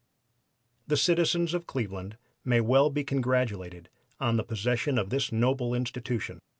"The citizens of Cleveland may well be congratulated on the possession of this noble Institution.